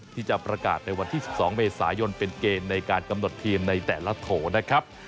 ที่จะประกาศในวันที่๑๒เมษายนเป็นเกณฑ์ในการกำหนดทีมในแต่ละโถนะครับ